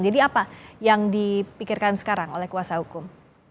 jadi apa yang dipikirkan sekarang oleh kuasa hukum